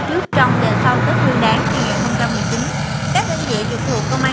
trước trong và sau tết nguyên đáng hai nghìn một mươi chín